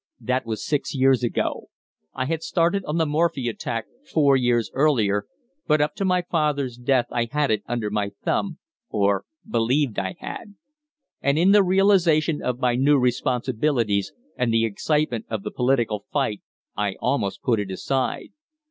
"That was six years ago. I had started on the morphia tack four years earlier, but up to my father's death I had it under my thumb or believed I had; and in the realization of my new responsibilities and the excitement of the political fight I almost put it aside.